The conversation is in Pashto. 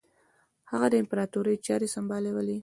هغه د امپراطوري چاري سمبالوي.